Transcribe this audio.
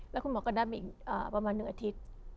แล้วคุณหมอก็นับอีกประมาณ๑อาทิตย์